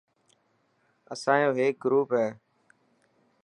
اسانيو هيڪ گروپ هي.